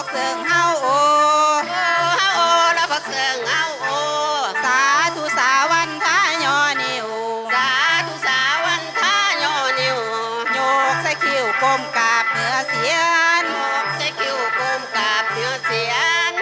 เพื่อว่าชาวันท้ายหยกช่ายผิวกลมกาบเหนือเสียง